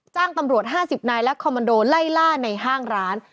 จ้างตำรวจ๕๐นายและคอมมันโดไล่ล่าในห้างร้าน